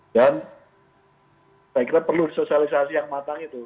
dan saya kira perlu disosialisasi yang matang itu